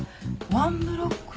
ワンブロック？